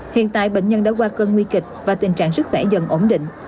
hiện tại bệnh nhân đã qua cơn nguy kịch và tình trạng sức khỏe dần ổn định